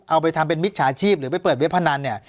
เอาไปทำเป็นมิจฉาชีพหรือไปเปิดเว็บพนันเนี่ย